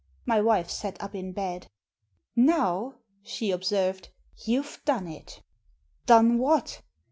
My wife sat up in bed. " Now," she observed, " you've done it." " Done what